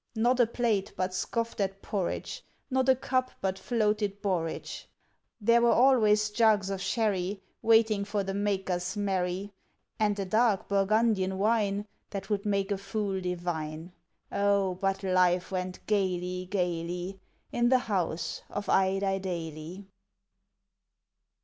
Not a plate but scoffed at porridge, Not a cup but floated borage. There were always jugs of sherry Waiting for the makers merry, And the dark Burgundian wine That would make a fool divine. Oh, but life went gayly, gayly In the house of Idiedaily!